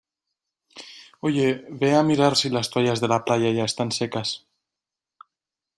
Oye, ve a mirar si las toallas de la playa ya están secas.